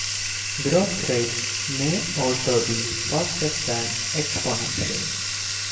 Growth rates may also be faster than exponential.